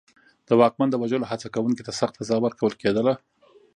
د واکمن د وژلو هڅه کوونکي ته سخته سزا ورکول کېده.